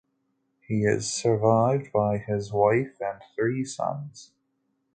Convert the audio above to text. He is survived by his wife and three sons.